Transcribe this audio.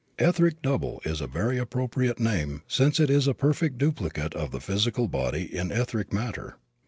"Etheric double" is a very appropriate name since it is a perfect duplicate of the physical body in etheric matter.